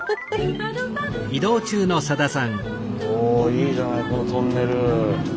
おいいじゃないこのトンネル。